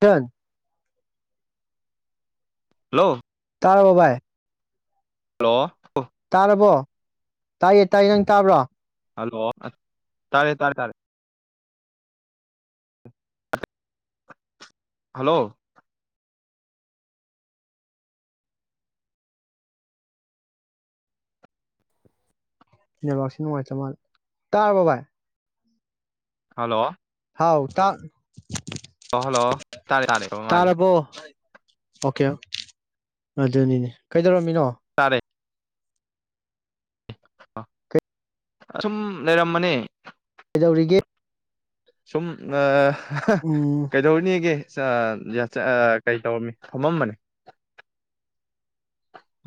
ꯏꯆꯟ ꯍꯜꯂꯣ ꯇꯔꯕꯣ ꯕꯥꯢ ꯍꯜꯂꯣ ꯇꯥꯏꯌꯦ ꯇꯥꯏꯌꯦ ꯅꯪ ꯇꯥꯕ꯭ꯔꯣ ꯍꯜꯂꯣ ꯇꯥꯔꯦ ꯇꯥꯔꯦ ꯇꯥꯔꯦ ꯍꯜꯂꯣ ꯅꯦꯋꯥꯛꯁꯤ ꯅꯨꯡꯉꯥꯏꯇ ꯃꯥꯜ ꯇꯥꯔꯔꯕꯕꯥꯥꯏ ꯍꯜꯂꯣ ꯍꯥꯎ ꯇ ꯍꯜꯂꯣ ꯇꯥꯔꯦ ꯇꯥꯔꯦ ꯃꯥ ꯇꯥꯔꯕꯣ ꯑꯣꯀꯦ ꯑꯗꯨ ꯑꯗꯨꯅꯤꯅꯦ ꯀꯩꯗꯧꯔ ꯃꯤꯅꯣ ꯇꯥꯔꯦ ꯑꯁꯨꯝ ꯂꯩꯔꯝꯕꯅꯤ ꯀꯩꯗꯧꯔꯤꯒꯦ ꯁꯨꯝ ꯑ ꯎꯝ ꯀꯩꯗꯧꯔꯤꯅꯦꯒꯦ ꯀꯩ ꯇꯧꯔꯝꯃꯤ ꯊꯝꯃꯝꯕꯅꯦ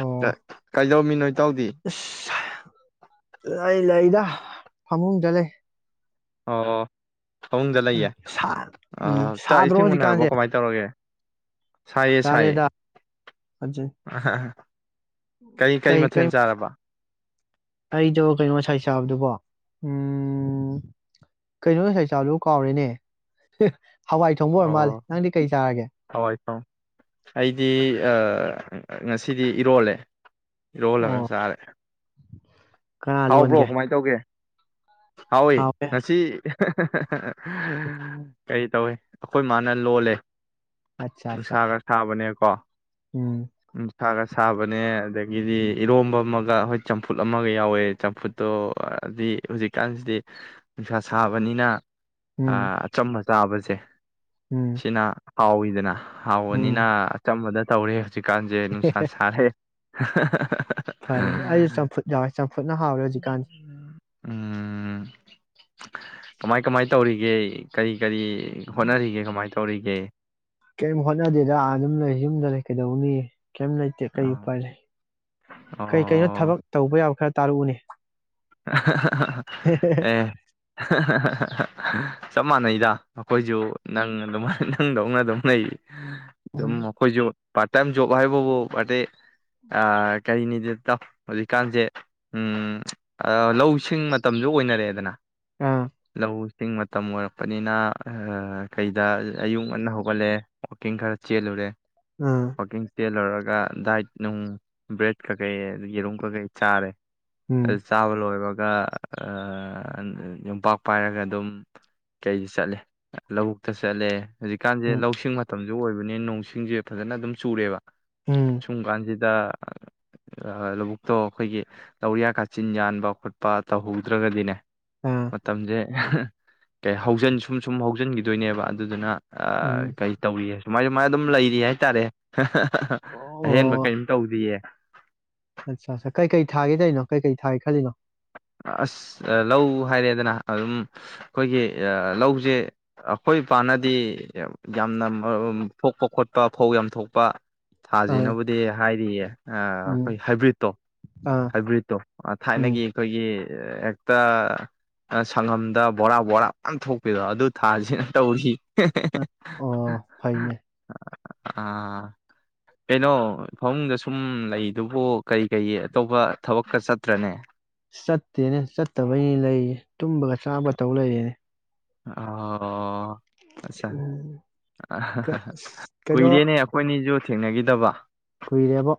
ꯑꯣ ꯀꯩꯗꯧꯃꯤ ꯅꯣꯏ ꯑꯁ ꯑꯩ ꯂꯩꯗ ꯐꯃꯨꯡꯗ ꯂꯩ ꯑꯣ ꯐꯃꯨꯡꯗ ꯂꯩꯌꯦ ꯁꯥ ꯎꯝ ꯆꯥꯛ ꯁꯥꯗ꯭ꯔꯣ ꯏꯁꯤꯡ ꯎꯟꯅꯨꯔꯕꯣ ꯍꯧꯖꯤꯛꯀꯥꯟꯁꯦ ꯀꯃꯥꯏꯅ ꯇꯧꯔꯒꯦ ꯁꯌꯦ ꯆꯥꯔꯦꯗ ꯁꯥꯏꯌꯦ ꯑꯗꯨ ꯀꯔꯤ ꯀꯔꯤ ꯀꯩ ꯀ ꯃꯊꯦꯜ ꯆꯥꯔꯕ ꯑꯖꯕꯣ ꯀꯩ ꯑꯣꯁꯥꯏ ꯁ ꯆꯥꯕꯗꯨꯕꯣ ꯎꯝ ꯀꯩꯅꯣ ꯁꯩ ꯆꯥꯕꯗꯨꯣ ꯀꯥꯎꯔꯦꯅꯦ ꯍꯋꯥꯏ ꯊꯣꯡꯕ ꯑꯣꯏꯔ ꯃꯥꯜꯂꯦ ꯑꯣ ꯅꯪꯗꯤ ꯀꯩ ꯆꯥꯔꯒꯦ ꯊꯋꯥꯏ ꯊꯥꯎ ꯑꯩꯗꯤ ꯉꯁꯤꯗꯤ ꯏꯔꯣꯜꯂꯦ ꯑꯣ ꯔꯣꯜꯂꯒ ꯁꯔꯦ ꯀꯅꯥ ꯍꯥꯎꯕ꯭ꯔꯣ ꯂꯣꯟꯒꯦ ꯀꯃꯥꯏꯅ ꯇꯧꯒꯦ ꯍꯣꯏ ꯍꯥꯎꯋꯦ ꯉꯁꯤ ꯀꯔꯤ ꯇꯧꯋꯦ ꯑꯩꯈꯣꯏ ꯃꯥꯅ ꯂꯣꯜꯂꯦ ꯑꯠꯆꯥ ꯎ ꯑꯠꯆꯥ ꯁꯒ ꯁꯥꯕꯅꯦ ꯋꯥ ꯎꯝ ꯁꯥꯒ ꯁꯥꯕꯅꯦ ꯑꯗꯒꯤꯗꯤ ꯏꯔꯣꯝꯕ ꯑꯃꯒ ꯍꯣꯏ ꯆꯝꯐꯨꯠ ꯑꯃꯒ ꯌꯥꯎꯋꯦ ꯆꯝꯐꯨꯠꯇꯣ ꯍꯥꯏꯗꯤ ꯍꯧꯖꯤꯛꯀꯥꯟꯁꯤꯗꯤ ꯅꯨꯡꯁꯥ ꯁꯥꯕꯅꯤꯅ ꯎꯝ ꯑ ꯆꯃꯃꯆ ꯇꯥꯕꯁꯦ ꯎꯝ ꯁꯤꯅꯥ ꯍꯥꯎ ꯏꯗꯅ ꯎꯝ ꯍꯥꯎꯅꯤꯅ ꯑ ꯆꯝꯕꯗ ꯇꯧꯔꯤꯦ ꯍꯧꯖꯤꯀꯥꯟꯖꯦ ꯅꯨꯡꯁꯥ ꯁꯔꯦ [unintelligible] ꯐꯔꯦ ꯑꯩ ꯆꯝꯐꯨꯠ ꯌꯥꯎꯔꯦ ꯆꯝꯐꯨꯠ ꯅ ꯍꯥꯎꯔ ꯍꯧꯖꯤꯀꯥꯟ ꯎꯝ ꯀꯃꯥꯏ ꯀꯃꯥꯏ ꯇꯧꯔꯤꯒꯦ ꯀꯔꯤ ꯀꯔꯤ ꯍꯣꯠꯅꯔꯤꯒꯦ ꯀꯃꯥꯏ ꯇꯧꯋꯤ ꯇꯧꯔꯤꯒꯦ ꯀꯩꯝ ꯍꯣꯠꯅꯗꯦꯗ ꯑꯗꯨꯝ ꯂꯩ ꯌꯨꯝꯗ ꯂꯩ ꯀꯩꯗꯧꯅꯤ ꯀꯔꯤꯝ ꯂꯩꯇꯦ ꯀꯔꯤ ꯎꯄꯥꯏ ꯂꯩ ꯀꯩ ꯀꯩꯅꯣ ꯑꯣ ꯊꯕꯛ ꯇꯧꯕ ꯌꯥꯕ ꯈ꯭ꯔ ꯇꯥꯔꯛꯎꯅꯦ [unintelligible] ꯑꯦ ꯆꯞ ꯃꯥꯟꯅꯩꯗ ꯑꯩꯈꯣꯏꯁꯨ ꯅꯪ ꯪ ꯅꯪꯗꯧꯅꯥ ꯑꯗꯨꯝ ꯂꯩ ꯗꯨꯝ ꯎꯝ, ꯑꯈꯣꯏꯁꯨ ꯄꯥꯔꯇ ꯇꯥꯏꯄ ꯖꯣꯕ ꯍꯥꯏꯕꯣ ꯑ ꯀꯔꯤꯅꯤꯗ ꯇ ꯍꯧꯖꯤꯛꯀꯥꯟꯁꯦ ꯎꯝ ꯂꯧꯁꯤꯡ ꯃꯇꯝꯁꯨ ꯑꯣꯏꯅꯔꯛꯑꯦꯗꯅ ꯑꯥ ꯂꯧꯁꯤꯡ ꯃꯇꯝ ꯑꯣꯏꯔꯛꯄꯅꯤꯅ ꯀꯩꯗ ꯑꯌꯨꯛ ꯉꯟꯅ ꯍꯧꯒꯠꯂꯦ ꯋꯥꯛꯀꯤꯡ ꯈꯔ ꯆꯦꯜꯂꯨꯔꯦ ꯑꯥ ꯋꯥꯀꯤꯡꯁ ꯗꯦꯜꯔꯒ ꯑꯗꯨꯒ ꯗꯥꯏꯠ ꯅꯨꯡ ꯕ꯭ꯔꯦꯗ ꯀꯩꯀꯩ ꯌꯦꯔꯨꯝ ꯀꯩꯀꯩ ꯆꯥꯔꯦ ꯎꯝ ꯂꯣꯏꯔꯒ ꯌꯨꯝꯄꯥꯛ ꯄꯥꯏꯔꯒ ꯑꯗꯨꯝ ꯀꯩꯗ ꯆꯠꯂꯦ ꯂꯧꯕꯨꯛꯇ ꯆꯠꯂꯦ ꯍꯧꯖꯤꯛꯀꯥꯟꯁꯦ ꯎꯝ ꯂꯧꯁꯤꯡ ꯃꯇꯝ ꯑꯗꯨ ꯑꯣꯏꯕꯅꯤ ꯅꯣꯡꯁꯤꯡꯁꯦ ꯐꯖꯅ ꯑꯗꯨꯝ ꯆꯨꯔꯦꯕ ꯎꯝ ꯁꯨꯝ ꯀꯥꯟꯖꯤ ꯗ ꯂꯧꯕꯨꯛꯇꯣ ꯑꯩꯈꯣꯏꯒꯤ ꯇꯧꯔꯤꯌꯥ ꯆꯤꯟ ꯌꯥꯟꯕ ꯈꯣꯠꯄ ꯇꯧꯍꯧꯗ꯭ꯔꯒꯗꯤꯅꯦ ꯑꯥ ꯃꯇꯝꯁꯦ ꯀꯩ ꯍꯧꯖꯤꯟ ꯁꯨꯝ ꯁꯨꯝ ꯍꯧ ꯍꯨꯞꯆꯤꯟꯈꯤꯗꯣꯏꯅꯦꯕ ꯑꯗꯨꯗꯨꯅ ꯎꯝ ꯀꯩ ꯇꯧꯏ ꯁꯨꯃꯥꯏ ꯁꯨꯃꯥꯏꯅ ꯑꯗꯨꯝ ꯂꯩꯔꯤ ꯍꯥꯏꯇꯥꯔꯦ ꯑꯣ ꯑꯍꯦꯟꯕ ꯀꯔꯤꯝ ꯇꯧꯗꯌꯦ ꯑꯠꯆꯥ ꯑ ꯀꯩꯀꯩ ꯊꯥꯒꯦꯗꯔꯤꯅꯣ ꯀꯩꯀꯩ ꯊꯥꯒꯦ ꯈꯜꯂꯤꯅꯣ ꯑꯁ ꯂꯧ ꯍꯥꯏꯔꯦꯗꯅ ꯑꯗꯨꯝ ꯑꯩꯈꯣꯏꯒꯤ ꯂꯧꯁꯦ ꯑꯩꯈꯣꯏ ꯏꯄꯥꯟꯅꯗꯤ ꯌꯥꯝꯅ ꯊꯣꯛꯄ ꯈꯣꯠꯄ ꯐꯧ ꯌꯥꯝ ꯊꯣꯛꯄ ꯑꯥ ꯊꯥꯁꯤꯅꯕꯨꯗꯤ ꯍꯥꯏꯔꯤꯌꯦ ꯑꯩꯈꯣꯏ ꯎꯝ ꯍꯥꯏꯕ꯭ꯔꯤꯠꯇꯣ ꯑꯥ ꯍꯥꯏꯕ꯭ꯔꯤꯠꯇꯣ ꯎꯝ ꯊꯥꯏꯅꯒꯤ ꯑꯩꯈꯣꯏꯒꯤ ꯍꯦꯛꯇ ꯁꯪꯉꯝꯗ ꯕꯣꯔꯥ ꯕꯣꯔꯥ ꯃꯌꯥꯝ ꯊꯣꯛꯄꯤꯗꯣ ꯑꯗꯨ ꯊꯥꯁꯤꯅ ꯇꯧꯔꯤ ꯑꯣ ꯐꯩꯅꯦ ꯑ ꯀꯩꯅꯣ ꯐꯃꯨꯡꯗ ꯁꯨꯝ ꯂꯩꯗꯨꯕꯨ ꯀꯔꯤ ꯀꯔꯤ ꯑꯇꯣꯞꯄ ꯊꯕꯛꯀ ꯆꯠꯇ꯭ꯔꯅꯦ ꯆꯠꯇꯦꯅꯦ ꯆꯠꯇꯕꯩꯅꯤ ꯂꯩꯌꯦ ꯇꯨꯝꯕꯒ ꯆꯥꯕ ꯇꯧ ꯂꯩꯔꯦꯅꯦ ꯑꯣ ꯑꯆꯥ ꯎꯝ ꯀ- ꯑꯁ, ꯀꯨꯏꯔꯦꯅꯦ ꯑꯩꯈꯣꯏꯅ ꯑꯁꯨ ꯊꯦꯡꯅꯈꯤꯗꯕ ꯀꯨꯏꯔꯔꯕꯣ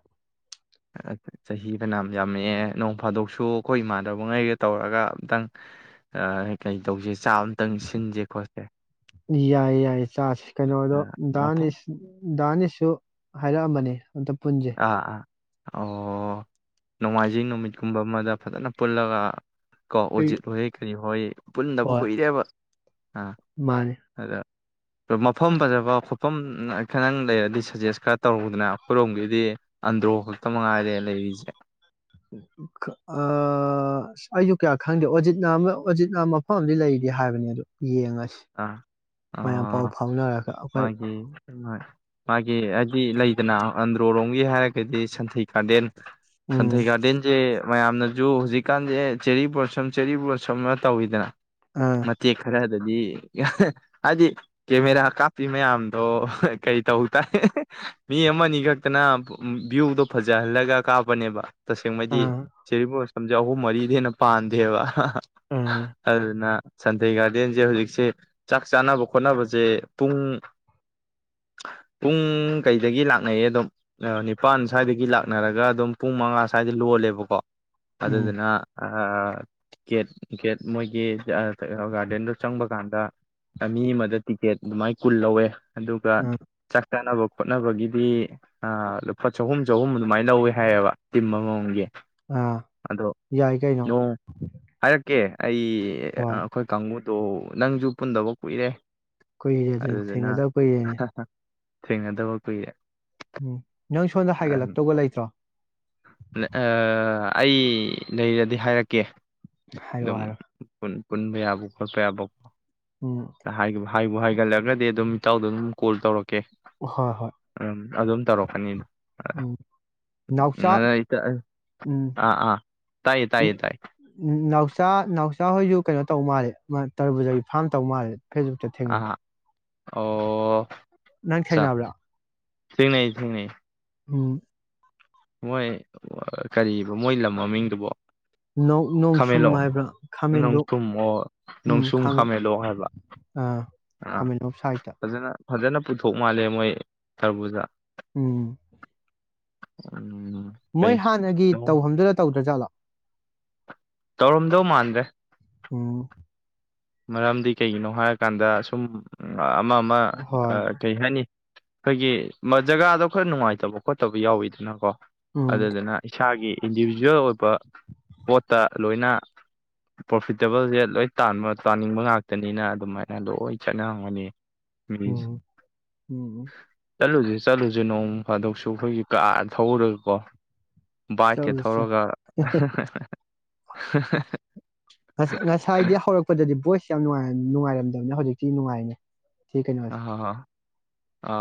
ꯆꯍꯤ ꯐꯅꯝ ꯌꯥꯝꯃꯛꯑꯦ ꯅꯣꯡ ꯐꯥꯗꯣꯛꯁꯨ ꯑꯩꯈꯣꯏ ꯏꯃꯥꯟꯗꯕꯉꯩꯒ ꯇꯧꯔꯒ ꯑꯝꯇꯪ ꯀꯩ ꯇꯧꯁꯦ ꯆꯥꯛ ꯑꯃꯇꯪ ꯁꯤꯟꯁꯦ ꯈꯣꯠꯁꯦ ꯌꯥꯏ ꯌꯥꯏ ꯀꯩꯅꯣꯗꯣ ꯗꯥꯟ ꯉꯥꯛꯇꯪ ꯏꯁ ꯗꯥꯟ ꯏꯁ ꯁꯨ ꯍꯥꯏꯔꯛꯑꯝꯕꯅꯤ ꯑꯗ ꯄꯨꯟꯖꯦ ꯑꯥ ꯑꯥ ꯑꯣ ꯅꯣꯡꯃꯥꯏꯖꯤꯡ ꯅꯨꯃꯤꯠꯀꯨꯝꯕ ꯑꯃꯗ ꯐꯖꯅ ꯄꯨꯜꯂꯒ ꯀꯣ ꯑꯩ ꯑꯣꯖꯤꯠ ꯍꯣꯏꯌꯦꯦ ꯀꯔꯤ ꯍꯣꯏ ꯄꯨꯟꯗꯕ ꯍꯣꯏ ꯀꯨꯏꯔꯦꯕ ꯑꯥ ꯃꯥꯅꯦ ꯑꯗ ꯃꯐꯝ ꯐꯖꯕ ꯈꯨꯣꯠꯐꯝ ꯈꯇꯪ ꯂꯩꯔꯗꯤ ꯁꯖꯦꯁ ꯈꯔ ꯇꯧꯔꯨꯗꯅ ꯑꯩꯈꯣꯏꯔꯣꯝꯒꯤ ꯗꯤ ꯑꯟꯗ꯭ꯔꯣ ꯈꯛꯇ ꯃꯉꯥꯏꯔꯦ ꯂꯩꯔꯤꯁꯦ ꯑꯩꯁꯨ ꯀꯌꯥ ꯈꯪꯗꯦ ꯑꯣꯖꯤꯠꯅ ꯑꯃ ꯑꯣꯖꯤꯠꯅ ꯃꯐꯝ ꯑ ꯂꯩꯒꯦ ꯍꯥꯏꯕꯅꯦ ꯑꯗꯨ ꯌꯦꯡꯉꯁꯤ ꯑꯥ ꯑ ꯃꯌꯥꯝ ꯄꯥꯎ ꯐꯥꯎꯅꯔꯒ ꯑꯩꯈꯣꯏ ꯃꯥꯒꯤ ꯃꯥꯒꯤ ꯍꯥꯏꯗꯤ ꯂꯩꯗꯅ ꯑꯟꯗ꯭ꯔꯣꯂꯣꯝꯒꯤ ꯍꯥꯏꯔꯒꯗꯤ ꯁꯟꯊꯩ ꯀꯒꯥꯔꯗꯦꯟ ꯎꯝ ꯁꯟꯊꯩꯒꯒꯥꯗꯦꯟꯁꯦ ꯃꯌꯥꯝꯅꯁꯨ ꯍꯧꯖꯤꯛꯀꯥꯟꯁꯦ ꯆꯦꯔꯤ ꯄꯣꯠꯁꯨꯝ ꯆꯦꯔꯤ ꯄꯣꯠꯁꯝ ꯑꯃ ꯇꯧꯋꯤꯗꯅ ꯑꯥ ꯃ ꯈꯔ ꯑꯗꯤ ꯍꯥꯏꯗꯤ ꯀꯦꯃꯦꯔꯥ ꯀꯥꯞꯄꯤ ꯃꯌꯥꯝꯗꯣ ꯀꯩ ꯇꯧ ꯇꯥꯏ ꯃꯤ ꯑꯃꯅꯤ ꯈꯛꯇꯅ ꯚ꯭ꯌꯨꯗꯣ ꯐꯖꯍꯜꯂꯒ ꯀꯥꯞꯄꯅꯦꯕ ꯇꯁꯦꯡꯕꯗꯤ ꯑꯥ ꯆꯦꯔꯤ ꯣꯁ ꯁꯦ ꯑꯍꯨꯝ ꯃꯔꯤꯗꯤ ꯍꯦꯟꯅ ꯄꯥꯟꯗꯦꯕ ꯑꯥ ꯑꯗꯨꯅ ꯁꯟꯊꯩ ꯒꯥꯔꯗꯦꯟꯁꯦ ꯍꯧꯖꯤꯛꯁꯦ ꯆꯥꯛ ꯆꯥꯅꯕ ꯈꯣꯠꯅꯕꯁꯦ ꯄꯨꯡ ꯄꯨꯡ ꯀꯩꯗꯒꯤ ꯂꯥꯛꯅꯩꯌꯦ ꯑꯗꯨꯝ ꯅꯤꯄꯥꯜ ꯁ꯭ꯋꯥꯏꯗꯒꯤ ꯂꯥꯛꯅꯔꯒ ꯑꯗꯨꯝ ꯄꯨꯡ ꯃꯉꯥ ꯁ꯭ꯋꯥꯏꯗ ꯂꯣꯜꯂꯦꯕꯀꯣ ꯎꯝ ꯑꯗꯨꯗꯨꯅ ꯑ ꯒꯦꯠ ꯒꯦꯠ ꯃꯣꯏꯒꯤ ꯒꯥꯔꯗꯦꯟꯗꯣ ꯆꯪꯕ ꯀꯥꯟꯗ ꯃꯤ ꯑꯃꯗ ꯇꯤꯛꯀꯦꯠ ꯑꯗꯨꯃꯥꯏ ꯀꯨꯜ ꯂꯧꯋꯦ ꯑꯗꯨꯒ ꯑꯥ ꯆꯥꯛ ꯆꯥꯅꯕ ꯈꯣꯠꯅꯕꯒꯤꯗꯤ ꯂꯨꯄꯥ ꯆꯍꯨꯝ ꯆꯍꯨꯝ ꯑꯗꯨꯃꯥꯏꯅ ꯂꯧꯋꯦ ꯍꯥꯏꯌꯦꯕ ꯇꯤꯝ ꯑꯃꯃꯝꯒꯤ ꯑꯥ ꯑꯗꯣ ꯌꯥꯏ ꯀꯩꯅꯣ ꯀꯦ ꯑꯩ ꯍꯣꯏ ꯑꯩꯈꯣꯏ ꯀꯥꯡꯕꯨ ꯇꯣ ꯅꯪꯖꯨ ꯄꯨꯟꯗꯕ ꯀꯨꯏꯔꯦ ꯀꯨꯏꯔꯦ ꯑꯗꯨ ꯑꯗꯨꯗꯨꯅ ꯊꯦꯡꯅꯗꯕ ꯀꯨꯏꯔꯦꯅꯦ ꯊꯦꯡꯅꯗꯕ ꯈꯨꯏꯔꯦ ꯎꯝ ꯅꯪ ꯁꯣꯝꯗ ꯍꯥꯏꯒꯠꯂꯛꯇꯧꯒ ꯂꯩꯇ꯭ꯔꯣ ꯑꯩ ꯂꯩꯔꯗꯤ ꯍꯥꯏꯔꯛꯀꯦ ꯍꯥꯏꯔꯛꯑꯣ ꯍꯥꯏꯔꯛꯑꯣ [unintelligible] ꯄꯨꯟꯕ ꯌꯥꯕ ꯈꯣꯠꯄ ꯌꯥꯕ ꯎꯝ ꯍꯥꯏꯕꯨ ꯍꯥꯏꯕꯨ ꯍꯥꯏꯒꯠꯂꯛꯒꯗꯤ ꯑꯗꯨꯝ ꯏꯇꯥꯎꯗ ꯑꯗꯨꯝ ꯀꯣꯜ ꯇꯧꯔꯛꯀꯦ ꯍꯣꯏ ꯍꯣꯏ ꯑꯗꯨꯝ ꯑꯗꯨꯝ ꯇꯧꯔꯛꯀꯅꯤꯗꯣ ꯎ ꯏꯇ ꯑꯥ ꯑꯥ ꯇꯥꯏꯌꯦ ꯇꯥꯏꯌꯦ ꯇꯥꯏꯌꯦ ꯀꯩꯅꯣ ꯇꯧ ꯃꯥꯜꯂꯦ ꯃꯥ ꯇꯔꯕꯨꯖꯒꯤ ꯐꯥꯔꯝ ꯇꯧ ꯃꯥꯜꯂꯦ ꯐꯦꯁꯕꯨꯛꯇ ꯊꯦꯡꯅꯩ ꯑꯥ ꯑꯣ ꯅꯪ ꯊꯦꯡꯅꯕ꯭ꯔꯥ ꯊꯨꯡꯅꯩ ꯊꯨꯡꯅꯩ ꯎꯝ ꯃꯣꯏ ꯀ ꯃꯣꯏ ꯂꯝ ꯃꯃꯤꯡꯗꯨꯕꯣ ꯅꯣꯡꯁꯨꯝ ꯈꯥꯃꯦꯟꯂꯣꯛ ꯍꯥꯏꯕ꯭ꯔꯥ ꯈꯥꯃꯦꯟꯂꯣꯛ ꯅꯣꯡꯊꯨꯝ ꯑꯣ ꯅꯣꯡꯁꯨꯝ ꯎꯝꯥꯃ ꯈꯥꯃꯦꯟꯂꯣꯛ ꯍꯥꯏꯕ ꯑ ꯑꯥ ꯈꯥꯃꯦꯟꯂꯣꯛ ꯁꯥꯏꯠꯇ ꯐꯖꯅ ꯐꯖꯅ ꯄꯨꯊꯣꯛ ꯃꯥꯜꯂꯦ ꯃꯣꯏ ꯁꯔꯕꯨꯨꯗ ꯎꯝ [unintelligible] ꯃꯣꯏ ꯀꯩ ꯍꯥꯟꯅꯒꯤ ꯇꯧꯐꯝꯗꯨꯅ ꯇꯧꯗ꯭ꯔꯥꯖꯥꯠꯂꯣ ꯇꯧꯔꯝꯗꯧ ꯃꯥꯟꯗ꯭ꯔꯦ ꯑꯣ ꯃꯔꯝꯗꯤ ꯀꯩꯒꯤꯅꯣ ꯍꯥꯏꯔꯀꯥꯟꯗ ꯁꯨꯝ ꯑꯃ ꯑꯃ ꯍꯣꯏ ꯀꯔꯤ ꯍꯥꯏꯅꯤ ꯑꯩꯈꯣꯏꯒꯤ ꯖꯒꯥꯗꯣ ꯈꯔ ꯅꯨꯡꯉꯥꯏꯇꯕ ꯈꯣꯠꯇꯕ ꯌꯥꯎꯋꯤꯗꯅꯀꯣ ꯎꯝ ꯑꯗꯨ ꯗꯨꯅ ꯏꯁꯒꯤ ꯏꯟꯗꯤꯕꯤꯖꯨꯋꯦꯜ ꯑꯣꯏꯕ ꯄꯣꯠꯇ ꯂꯣꯏꯅ ꯄ꯭ꯔꯣꯐꯤꯇꯦꯕꯜꯁꯦ ꯂꯣꯏ ꯇꯥꯟꯕ ꯆꯥꯅꯤꯡꯕ ꯉꯥꯛꯇꯅꯤꯅ ꯑꯗꯨꯃꯥꯏꯅ ꯂꯣꯏ ꯆꯠꯅꯔꯝꯒꯅꯤ ꯃꯤꯁꯦ ꯎꯝ ꯎꯝ ꯎꯝ ꯆꯠꯂꯨꯁꯤ ꯆꯠꯂꯨꯁꯦ ꯅꯣꯡ ꯐꯥꯗꯣꯛꯁꯨ ꯑꯩꯈꯣꯏꯒꯤ ꯀꯥ ꯊꯎꯔꯒꯀꯣ ꯕꯥꯏꯛꯀꯤ ꯆꯠꯂꯨꯁꯤ ꯊꯧꯔꯒ [unintelligible] ꯉꯁ ꯉꯁꯥꯏꯗꯤ ꯍꯧꯔꯛꯄꯗꯗꯤ ꯕꯣꯏꯁ ꯌꯥꯝꯅꯨꯡ ꯅꯨꯡꯉꯥꯏꯔꯝꯗꯕꯅꯦ ꯍꯧꯖꯤꯛꯇꯤ ꯅꯨꯡꯉꯥꯏꯅꯦ ꯁꯤ ꯀꯩꯅꯣꯁꯦ ꯑ ꯑ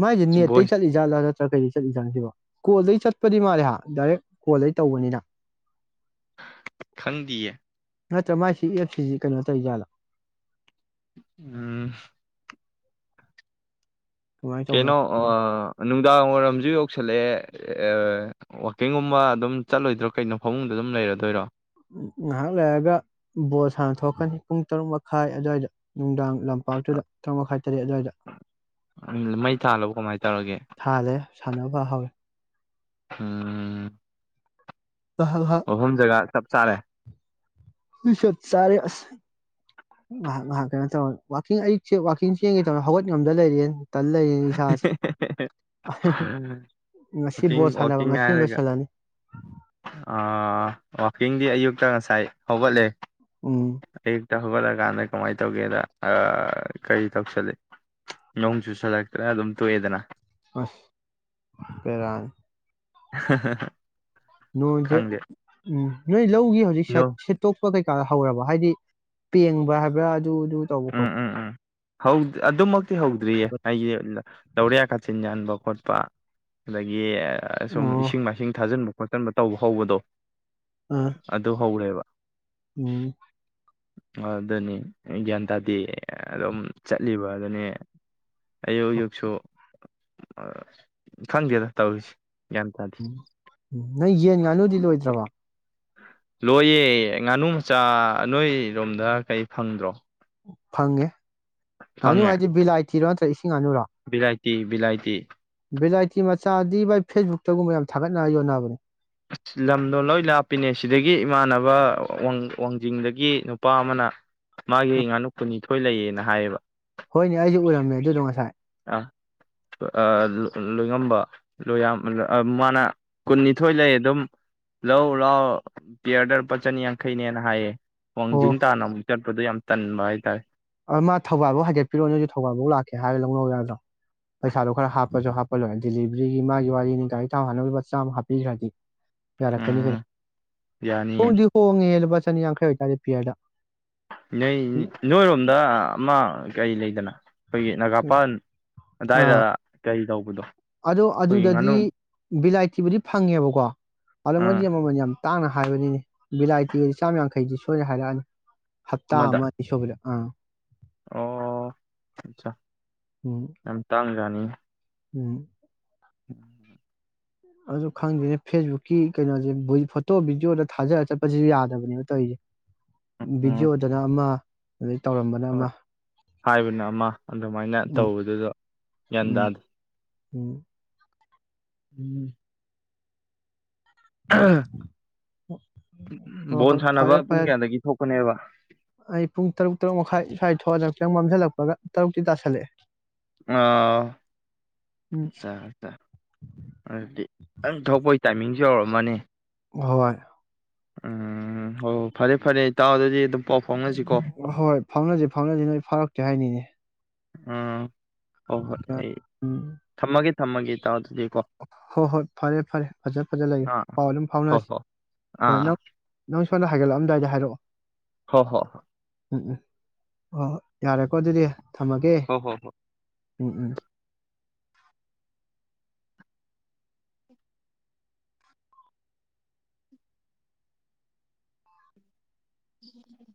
ꯃꯥꯏꯁꯦ ꯅꯦꯠꯇꯩꯒꯤ ꯚꯣꯏꯁ ꯆꯠꯂꯤ ꯖꯥꯠꯂꯥ ꯅꯠꯇ꯭ꯔꯥ ꯀꯩꯔꯤꯁꯦ ꯆꯠꯂꯤ ꯆꯪꯁꯤꯦꯕ ꯀꯣꯜꯗꯩ ꯆꯠꯄꯗꯤ ꯃꯥꯜꯂꯦ ꯗꯥꯏꯔꯦꯛ ꯀꯣꯜꯗꯩ ꯇꯧꯕꯅꯤꯅ ꯈꯪꯗꯤꯌꯦ ꯅꯠꯇ꯭ꯔ ꯃꯥꯏ ꯁꯤ ꯑꯦꯞꯁꯤꯁꯤ ꯀꯩꯅꯣ ꯇꯧꯔꯤꯖꯥꯠꯂꯥ ꯎꯝ ꯀꯃꯥꯏꯅ ꯇꯧꯕꯅꯣ ꯀꯦꯅꯣ ꯈꯪꯗꯦ ꯑꯑꯥ ꯑꯅꯨ ꯅꯨꯡꯗꯥꯡ ꯋꯥꯏꯔꯝꯁꯨ ꯌꯧꯁꯤꯜꯂꯦ ꯑꯦ ꯋꯥꯛꯀꯤꯡꯒꯨꯝꯕ ꯑꯗꯨꯝ ꯆꯠꯂꯣꯏꯗ꯭ꯔꯣ ꯀꯩꯅꯣ ꯐꯃꯨꯡꯗ ꯑꯗꯨꯝ ꯂꯩꯔꯗꯣꯏꯔꯣ ꯉꯥꯍꯥꯛ ꯂꯩꯔꯒ ꯕꯣꯜ ꯁꯥꯡꯅ ꯊꯣꯛꯀꯅꯤ ꯄꯨꯡ ꯇꯔꯨꯛ ꯃꯈꯥꯏ ꯑꯗꯨꯋꯥꯏꯗ ꯅꯨꯡꯗꯥꯡ ꯂꯝꯄꯥꯛꯇꯨꯗ ꯇꯔꯨꯛ ꯃꯈꯥꯏ ꯇꯔꯦꯠ ꯑꯗꯥꯏꯗ ꯃꯩ ꯊꯥꯜꯂꯕ ꯀꯃꯥꯏꯅ ꯇꯧꯔꯒꯦ ꯊꯥꯜꯂꯦ ꯁꯥꯟꯅꯕ ꯍꯧꯔꯦ ꯎꯝ ꯍꯜ ꯍꯥꯛ ꯃꯐꯝ ꯖꯒꯥ ꯆꯞ ꯆꯥꯔꯦ ꯆꯞ ꯆꯔꯦ ꯑꯁ ꯉꯍꯥꯛ ꯉꯍꯥꯛ ꯀꯩꯅꯣ ꯇꯧꯔ ꯋꯥꯥꯛꯀꯤꯡ ꯑꯌꯨꯛꯁꯦ ꯋꯥꯥꯛꯀꯤꯡ ꯆꯦꯟꯒꯦ ꯇꯧꯔꯒꯥ ꯍꯧꯒꯠ ꯉꯝꯗ ꯂꯩꯔꯦ ꯇꯜ ꯂꯩꯔꯦꯅꯦ ꯏꯁꯥꯁꯦ ꯉꯁꯤ ꯋꯥꯛꯀꯤꯡ ꯕꯣꯜ ꯁꯥꯟꯅꯕ ꯋꯥꯛꯀꯤꯡ ꯉꯁꯤꯅ ꯍꯥꯏꯔꯒ ꯂꯣꯏꯁꯤꯜꯂꯅꯤ ꯑ ꯋꯥꯛꯀꯤꯡꯗꯤ ꯎꯝ ꯍꯧꯒꯠꯂꯥꯀꯥꯟꯗ ꯀꯃꯥꯏꯅ ꯇꯧꯒꯦꯗ ꯀꯔꯤ ꯇꯧꯁꯜꯂꯦ ꯅꯣꯡ ꯆꯨꯁꯜꯂꯦ ꯈꯔꯥ ꯑꯗꯨꯝ ꯇꯣꯏꯑꯦꯗꯥꯅ ꯑꯁ ꯚꯦꯔꯥꯅꯦ ꯑꯍꯦꯍꯦ ꯂꯣꯏꯗꯦ ꯅꯣ ꯊꯕꯛ ꯀꯩꯀꯥ ꯍꯧꯔꯕ ꯍꯥꯏꯗꯤ ꯄꯦꯡꯕ ꯍꯥꯏꯕ꯭ꯔꯥ ꯑꯗꯨ ꯗꯨ ꯇꯧꯕꯥ ꯈꯣꯠ ꯍꯧꯗꯦ ꯑꯗꯨ ꯃꯛ ꯍꯧꯗ꯭ꯔꯤꯌꯦ ꯑꯩꯁꯦ ꯂꯧꯔꯤꯌꯥ ꯀꯥꯆꯤꯟ ꯌꯥꯟꯕ ꯈꯣꯠꯄ ꯑꯗꯒꯤ ꯑꯁꯨꯝ ꯑꯣ ꯏꯁꯤꯡ ꯃꯥꯏꯁꯤꯡ ꯊꯥꯖꯤꯟꯕ ꯈꯣꯠꯆꯟꯕ ꯇꯧꯕ ꯍꯧꯕꯗꯣ ꯑꯥ ꯑꯗꯨ ꯍꯧꯔꯦꯕ ꯎꯝ ꯑ ꯑꯗꯨꯅꯤ ꯌꯥꯟ ꯇꯗꯤ ꯑꯗꯨꯝ ꯆꯠꯂꯤꯕ ꯅꯦ ꯑꯌꯨꯛ ꯑꯌꯨꯛꯁꯨ ꯑ ꯈꯪꯗꯦꯗ ꯇꯧꯔꯤꯁꯤ ꯎꯝ ꯎꯝ ꯅꯣꯏ ꯌꯦꯟ ꯉꯥꯅꯨꯗꯤ ꯂꯣꯏꯗ꯭ꯔꯕ ꯂꯣꯏꯌꯦ ꯉꯥꯅꯨ ꯃꯆꯥ ꯅꯣꯏꯔꯣꯝꯗ ꯀꯩ ꯐꯪꯗ꯭ꯔꯣ ꯐꯪꯉꯦ ꯉꯥꯅꯨ ꯐꯪꯉꯦ ꯍꯥꯏꯗꯤ ꯕꯤꯂꯥꯏꯇꯤꯔ ꯅꯠꯇꯔ ꯏꯁꯤ ꯁꯤꯡꯉꯅꯨꯔꯦ ꯕꯤꯂꯥꯏꯇꯤ ꯕꯤꯂꯥꯏꯇꯤ ꯚꯤꯂꯥꯏꯇꯤ ꯃꯆꯥꯗꯤ ꯚꯥꯏ ꯐꯦꯁꯕꯨꯛꯇꯒꯨꯝꯕ ꯌꯥꯝ ꯊꯥꯒꯠꯅꯔ ꯌꯣꯟꯅꯕꯅꯤ ꯑꯁ ꯂꯝꯗꯣ ꯂꯣꯏ ꯂꯥꯞꯄꯤꯅꯦ ꯁꯤꯗꯒꯤ ꯏꯃꯥꯟꯅꯕ ꯋꯥꯡꯖꯤꯡꯗꯒꯤ ꯅꯨꯄꯥ ꯑꯃꯅ ꯃꯥꯒꯤ ꯉꯥꯅꯨ ꯀꯨꯟꯅꯤꯊꯣꯏ ꯂꯩꯌꯦꯅ ꯍꯥꯏꯌꯦꯕ ꯍꯣꯏꯅꯦ ꯑꯩꯁꯨ ꯎꯔꯝꯃꯦ ꯑꯗꯨꯗꯣ ꯉꯁꯥꯏ ꯑꯥꯗꯨ ꯂꯣꯏꯉꯝꯕ ꯂꯣꯏ ꯌꯥꯝ ꯑꯥ ꯃꯥꯅ ꯀꯨꯟꯅꯤꯊꯣꯏ ꯂꯩ ꯑꯗꯨꯝ ꯂꯧ ꯂꯥꯎ ꯄꯤꯌꯔꯗ ꯂꯨꯄꯥ ꯆꯅꯤ ꯌꯥꯡꯈꯩꯅꯦꯅ ꯍꯥꯏꯌꯦ ꯑꯣ ꯋꯥꯥꯡꯖꯤꯟ ꯇꯥꯅ ꯑꯃꯨꯛ ꯆꯠ ꯑꯗꯨ ꯌꯥꯝ ꯇꯟꯕ ꯍꯥꯏꯇꯥꯔꯦ ꯑ ꯃꯥ ꯊꯧꯕꯥꯜꯕꯣ ꯍꯥꯏꯒꯠꯄꯤꯔꯛꯑꯣ ꯅꯣꯏꯗꯤ ꯊꯧꯕꯥꯜꯐꯥꯎ ꯂꯥꯛꯀꯦ ꯍꯥꯏꯔꯒ ꯂꯧꯅꯧ ꯌꯥꯗ꯭ꯔꯣ ꯄꯩꯁꯥꯗꯣ ꯈꯔ ꯍꯥꯞꯄꯁꯨ ꯍꯥꯞꯄ ꯂꯣꯏꯔ ꯗꯦꯂꯤꯚꯔꯤꯒꯤ ꯃꯥꯒꯤ ꯋꯥꯔꯤꯅꯤ ꯃꯥꯒꯤ ꯒꯥꯔꯤ ꯊꯥꯎ ꯍꯥꯅꯕ ꯂꯨꯄꯥ ꯆꯥꯝꯃ ꯍꯥꯞꯄꯤꯈ꯭ꯔꯗꯤ ꯌꯥꯔ ꯀꯅꯤ ꯀꯩꯅꯣ ꯎꯝ ꯌꯥꯅꯤꯌꯦ ꯍꯣꯡꯗꯤ ꯍꯣꯉꯦꯍꯦ ꯂꯨꯄꯥ ꯆꯅꯤ ꯌꯥꯡꯈꯩ ꯑꯣꯏꯇꯥꯔꯦ ꯄꯤꯌꯥꯔꯗ ꯅꯣꯏ ꯅꯣꯏꯔꯣꯝꯗ ꯑꯃ ꯀꯔꯤ ꯂꯩꯗꯅ ꯈꯣꯏꯒꯤ ꯅꯒꯥꯄꯥꯟ ꯑꯗꯨꯗꯥꯏꯗ ꯑꯥ ꯀꯔꯤ ꯇꯧꯕꯗꯣ ꯑꯩꯈꯣꯏꯒꯤ ꯉꯥꯅꯨ ꯕꯨꯗꯤ ꯐꯪꯉꯦꯕꯀꯣ ꯑꯗꯣ ꯃꯣꯏꯗꯤ ꯑꯥ ꯃꯃꯜ ꯌꯥꯝ ꯇꯥꯡꯅ ꯕꯅꯤꯅꯦ ꯚꯤꯂꯥꯏꯇꯤꯒꯗꯤ ꯆꯥꯝꯃ ꯌꯥꯡꯈꯩꯗꯤ ꯁꯣꯏꯅ ꯍꯥꯏꯔꯛꯑꯅꯤ ꯍꯠꯇ ꯑꯃꯗ ꯑꯃꯅꯤ ꯁꯨꯕꯗ ꯑꯥ ꯑꯣ ꯑꯆꯥ ꯎꯝ ꯑꯝ ꯇꯥꯡꯉꯤ ꯑꯝ ꯎꯝ ꯎꯝ ꯑꯗꯨ ꯈꯪꯗ꯭ꯦꯅꯦ ꯐꯦꯁꯕꯨꯛꯀꯤ ꯀꯩꯅꯣꯁꯦ ꯐꯣꯇꯣ ꯚꯤꯗꯤꯑꯣꯗ ꯊꯥꯖꯔ ꯆꯠꯄꯁꯤꯁꯨ ꯌꯥꯗꯕꯅꯦꯕ ꯇꯧꯔꯤꯁꯦ ꯎꯝ ꯕꯤꯖꯨꯗꯅ ꯑꯃ ꯑꯗꯩ ꯇꯧꯔꯝꯕꯅ ꯍꯣꯏ ꯑꯃ ꯍꯥꯏꯕꯅ ꯑꯃ ꯑꯗꯨꯃꯥꯏꯅ ꯎꯝ ꯇꯧꯕꯗꯨꯗꯣ ꯒ꯭ꯌꯥꯟ ꯇꯥꯗꯦ ꯎ ꯎꯝ ꯑ ꯑ ꯍꯣꯏ ꯍꯣꯏ ꯐꯔꯦ ꯄꯨꯡ ꯐꯔꯦ ꯀꯌꯥꯗꯒꯤ ꯊꯣꯛꯄꯅꯦꯕ ꯑꯩ ꯄꯨꯡ ꯇꯔꯨꯛ ꯇꯔꯨꯛ ꯃꯈꯥꯏ ꯁ꯭ꯋꯥꯏꯗ ꯊꯣꯛꯑ ꯈꯤꯆꯪ ꯃꯝꯁꯤꯜꯂꯛꯄꯒ ꯇꯔꯨꯛꯇꯤ ꯇꯥꯁꯜꯂꯛꯑꯦ ꯑ ꯎꯝ ꯑꯆꯥ ꯑꯗꯨꯗꯤ ꯑꯪ ꯊꯣꯛꯄꯒꯤ ꯇꯥꯏꯃꯤꯡꯁ ꯌꯧꯔꯝꯃꯅꯤ ꯍꯣꯏ ꯎꯝ ꯍꯣ ꯐꯔꯦ ꯐꯔꯦ ꯇꯥꯎꯗꯗꯤ ꯑꯗꯨꯝ ꯄ ꯍꯣꯏ ꯐꯥꯎꯅꯁꯤ ꯐꯥꯎꯅꯁꯤ ꯅꯣꯏ ꯐꯥꯔꯛꯀ ꯀ ꯍꯥꯏꯅꯤꯅꯦ ꯎꯝ ꯍꯣꯏ ꯍꯣꯏ ꯑꯩ ꯎꯝ ꯊꯝꯃꯒꯦ ꯅꯃꯒ ꯇꯥꯎ ꯍꯣꯏ ꯍꯣꯏ ꯐꯔꯦ ꯐꯔꯦ ꯐꯖ ꯐꯖ ꯂꯩꯌꯦ ꯑꯥ ꯄꯥꯎ ꯑꯗꯨꯝ ꯍꯣ ꯐꯥꯎꯅꯔꯁꯤ ꯍꯣ ꯍꯣꯏ ꯑꯥ ꯅꯪ ꯅꯪ ꯁꯝꯅ ꯍꯥꯏꯒꯠꯂꯛꯑꯝꯗꯥꯏꯗ ꯍꯥꯏꯔꯛꯑꯣ ꯍ ꯍꯣ ꯍ ꯎꯝ ꯎꯝ ꯍꯣꯏ ꯍꯣꯏ ꯌꯥꯔꯦꯀꯣ ꯑꯗꯨꯗꯤ ꯊꯝꯃꯒꯦ ꯍꯣ ꯍꯣ ꯎꯝ ꯎꯝ ꯎꯝ